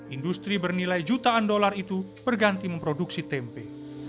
industri bernilai jutaan dolar itu berganti memproduksi tempe